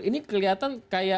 ini kelihatan kayak